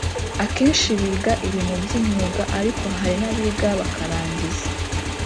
akenshi biga ibintu by’imyuga ariko hari n’abiga bakarangiza